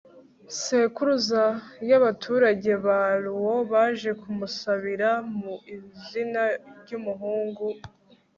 sekuruza y'abaturage ba luo baje kumusabira mu izina ry'umuhungu